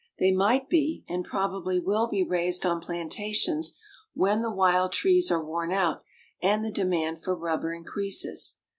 They might be and probably will be raised on plantations when the wild trees are worn out and the de mand for rubber increases.